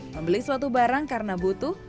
membeli suatu barang karena butuh